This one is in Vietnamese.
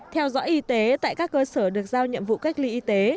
theo dõi y tế tại các cơ sở được giao nhiệm vụ cách ly y tế